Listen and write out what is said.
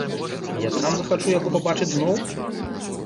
І я сам захачу яго пабачыць зноў?